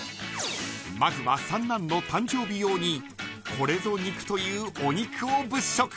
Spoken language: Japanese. まずは三男の誕生日用にこれぞ肉というお肉を物色。